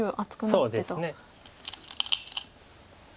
そうですね。